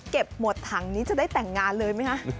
หมดถังนี้จะได้แต่งงานเลยไหมคะ